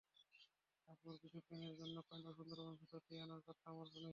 রামপাল বিদ্যুৎ কেন্দ্রের জন্য কয়লাও সুন্দরবনের ভেতর দিয়ে আনার কথা আমরা শুনছি।